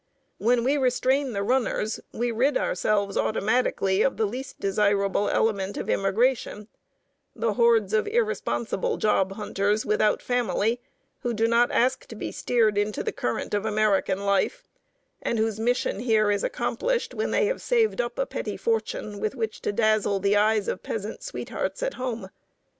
When we restrain the runners, we rid ourselves automatically of the least desirable element of immigration, the hordes of irresponsible job hunters without family who do not ask to be steered into the current of American life, and whose mission here is accomplished when they have saved up a petty fortune with which to dazzle the eyes of peasant sweethearts at home.